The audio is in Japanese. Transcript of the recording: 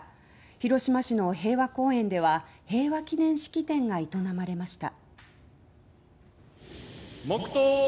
広島市の平和公園では平和祈念式典が営まれました。